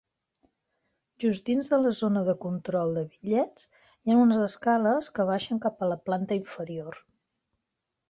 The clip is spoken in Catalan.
Just dins de la zona de control de bitllets, hi ha unes escales que baixen cap a la planta inferior.